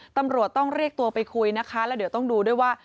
ตำรวจต้องเรียกตัวไปคุยนะคะแล้วเดี๋ยวต้องดูด้วยว่า